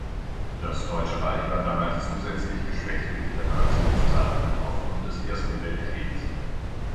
Das Deutsche Reich war damals zusätzlich geschwächt durch die Reparationszahlungen aufgrund des Ersten Weltkrieges.